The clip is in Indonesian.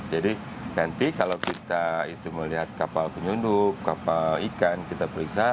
jadi nanti kalau kita itu melihat kapal penyunduk kapal ikan kita periksa